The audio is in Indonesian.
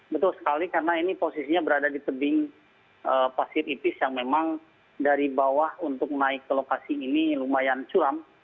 betul sekali karena ini posisinya berada di tebing pasir ipis yang memang dari bawah untuk naik ke lokasi ini lumayan curam